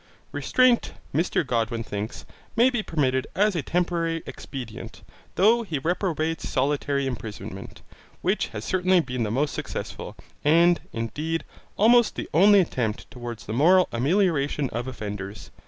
Restraint, Mr Godwin thinks, may be permitted as a temporary expedient, though he reprobates solitary imprisonment, which has certainly been the most successful, and, indeed, almost the only attempt towards the moral amelioration of offenders.